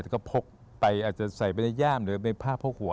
แต่ก็พกไปอาจจะใส่ไปในย่ามหรือไปผ้าพกหัว